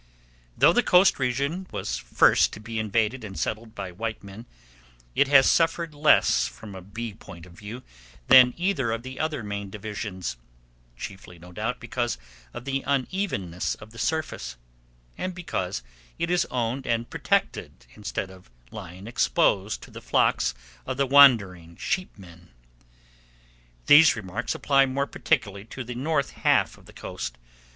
Though the coast region was the first to be invaded and settled by white men, it has suffered less from a bee point of view than either of the other main divisions, chiefly, no doubt, because of the unevenness of the surface, and because it is owned and protected instead of lying exposed to the flocks of the wandering "sheepmen." These remarks apply more particularly to the north half of the coast.